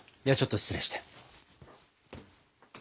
ではちょっと失礼して。